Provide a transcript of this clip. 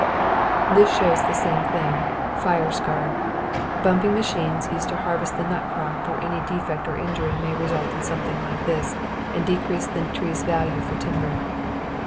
This shows the same thing. Fire scarred. Bumping machines used to harvest the nut crop or any defect or injury may result in something like this and decrease the tree's value for timber.